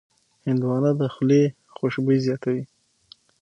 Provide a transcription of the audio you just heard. هندوانه د خولې خوشبويي زیاتوي.